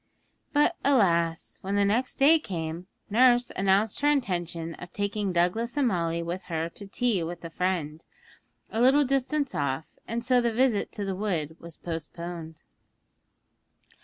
But, alas! when the next day came, nurse announced her intention of taking Douglas and Molly with her to tea with a friend, a little distance off, and so the visit to the wood was postponed.